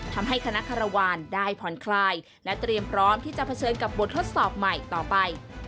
ทำให้คณะคารวาลได้ผ่อนคลายและเตรียมพร้อมที่จะเผชิญกับบททดสอบใหม่ต่อไป